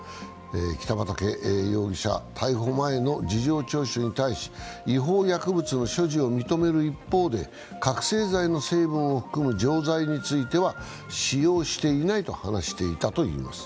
北畠容疑者、逮捕前の事情聴取に対し、違法薬物の所持を認める一方で覚醒剤の成分を含む錠剤については使用していないと話していたといいます。